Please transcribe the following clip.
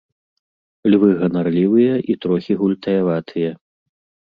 Львы ганарлівыя і трохі гультаяватыя.